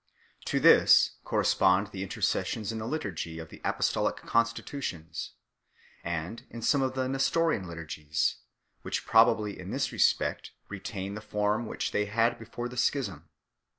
To this correspond the intercessions in the liturgy of the Apostolic Constitutions 1 , and in some of the Nes torian liturgies 2 , which probably in this respect retain the form which they had before the schism.